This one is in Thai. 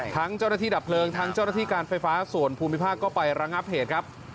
ทั้งเจ้าหน้าที่ดับเพลิงทั้งเจ้าหน้าที่การไฟฟ้าส่วนภูมิภาคก็ไประงับเหตุครับ